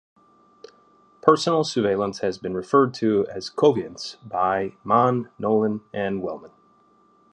"Personal sousveillance" has been referred to as "coveillance" by Mann, Nolan and Wellman.